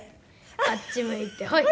あっち向いてほい！